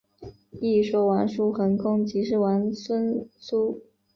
一说王叔桓公即是王孙苏。